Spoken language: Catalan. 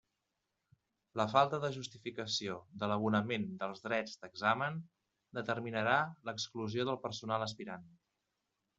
La falta de justificació de l'abonament dels drets d'examen determinarà l'exclusió del personal aspirant.